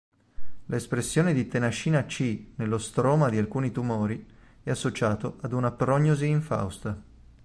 L'espressione di tenascina-C nello stroma di alcuni tumori è associato ad una prognosi infausta.